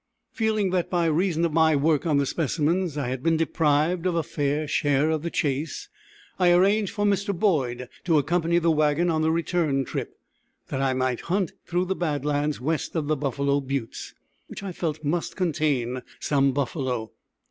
Feeling that by reason of my work on the specimens I had been deprived of a fair share of the chase, I arranged for Mr. Boyd to accompany the wagon on the return trip, that I might hunt through the bad lands west of the Buffalo Buttes, which I felt must contain some buffalo.